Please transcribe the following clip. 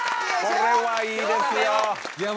これはいいですよ。